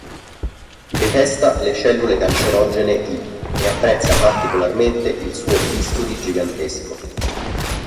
Detesta le cellule cancerogene ì e apprezza particolarmente il suo bisturi gigantesco.